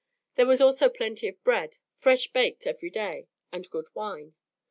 There was also plenty of bread, fresh baked every day, and good wine.